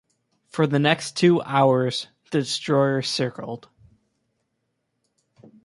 For the next two hours, the destroyer circled.